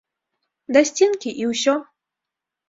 Да сценкі, і ўсё!